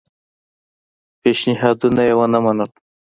پېشنهادونه یې ونه منل.